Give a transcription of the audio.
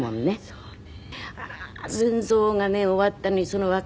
そうね。